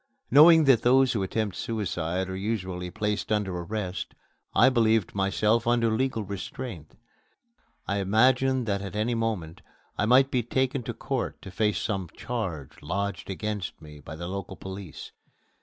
Knowing that those who attempt suicide are usually placed under arrest, I believed myself under legal restraint. I imagined that at any moment I might be taken to court to face some charge lodged against me by the local police.